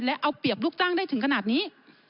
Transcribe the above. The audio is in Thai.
และเอาเปรียบลูกจ้างได้ถึงขนาดนี้